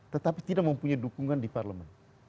tetapi tidak mempunyai dukungan di parlemen